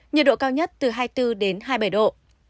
nhiệt độ cao nhất từ hai mươi bốn đến hai mươi bảy độ